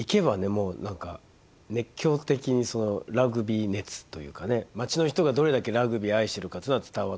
もう何か熱狂的にラグビー熱というかね街の人がどれだけラグビー愛してるかっていうのは伝わってきましたね。